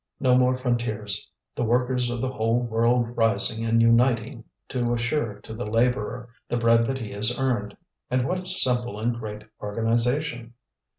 No more frontiers; the workers of the whole world rising and uniting to assure to the labourer the bread that he has earned. And what a simple and great organization!